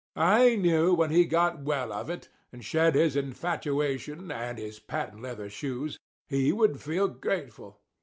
I knew when he got well of it and shed his infatuation and his patent leather shoes, he would feel grateful.